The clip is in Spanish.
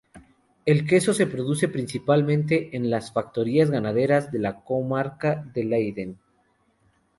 El queso se produce principalmente en las factorías ganaderas de la comarca de Leiden.